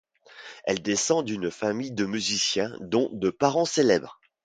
Elle descend d'une famille de musiciens dont de parents célèbres.